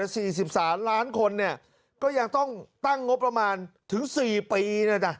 แต่๔๓ล้านคนก็ยังต้องตั้งงบประมาณถึง๔ปี